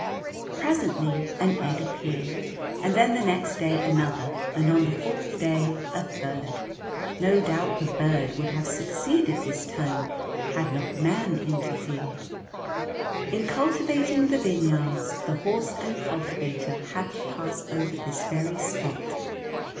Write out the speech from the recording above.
Presently an egg appeared, and then the next day another, and on the fourth day a third. No doubt the bird would have succeeded this time had not man interfered. In cultivating the vineyards the horse and cultivator had to pass over this very spot.